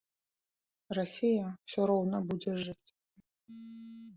Расія ўсё роўна будзе жыць.